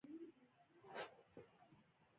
د خدای یاد د هر مؤمن ژبه ده.